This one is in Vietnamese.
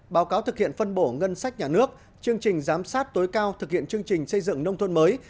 báo cáo thực hiện phân bổ ngân sách nhà nước chương trình giám sát tối cao thực hiện chương trình xây dựng nông thôn mới